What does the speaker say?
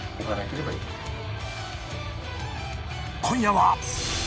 今夜は。